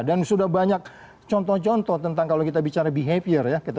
dan sudah banyak contoh contoh tentang kalau kita bicara behavior ya